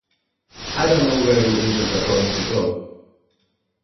I don't know where the injured are going to go.